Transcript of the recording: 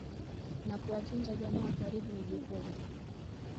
na kuwatunza jamaa wa karibu ni jukumu